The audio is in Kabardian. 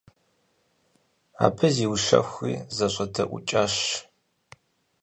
Абы зиущэхури зэщӀэдэӀукӀащ.